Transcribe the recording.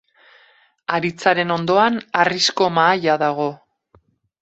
Haritzaren ondoan, harrizko mahaia dago.